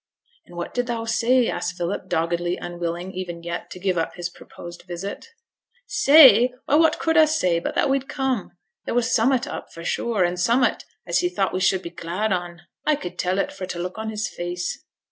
'And what did thou say?' asked Philip, doggedly unwilling, even yet, to give up his purposed visit. 'Say! why, what could a say, but that we'd come? There was summat up, for sure; and summat as he thought we should be glad on. I could tell it fra' t' look on his face.'